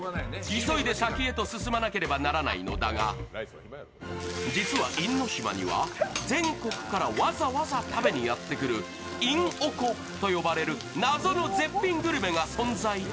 急いで先へと進まなければならないのだが実は因島には全国からわざわざ食べにやってくるいんおこと呼ばれる謎の絶品グルメが存在。